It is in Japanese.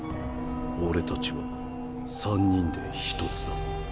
俺たちは三人で一つだ